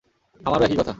আমারও একই কথা।